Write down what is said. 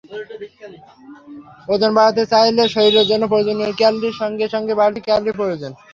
ওজন বাড়াতে চাইলে শরীরের জন্য প্রয়োজনীয় ক্যালরির সঙ্গে সঙ্গে বাড়তি ক্যালরির প্রয়োজন।